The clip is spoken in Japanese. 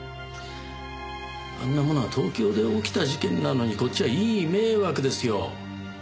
あんなものは東京で起きた事件なのにこっちはいい迷惑ですよ。